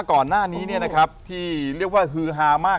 ก่อนหน้านี้เนี่ยนะครับที่เรียกว่าฮือหามาก